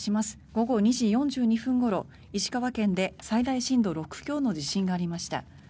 午後２時４２分ごろ石川県で最大震度６強の地震がありました。